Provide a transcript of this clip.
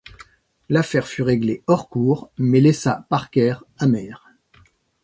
L'affaire fut réglée hors cour mais laissa Parker amer.